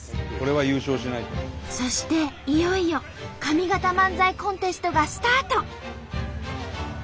そしていよいよ上方漫才コンテストがスタート。